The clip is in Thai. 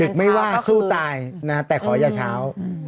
ไม่ว่าสู้ตายนะแต่ขออย่าเช้า